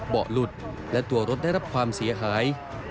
เบาะหลุดและตัวรถได้รับความเสียหาย